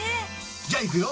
じゃあいくよ。